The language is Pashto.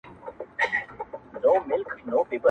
ما خو مي د زړه منبر بلال ته خوندي کړی وو٫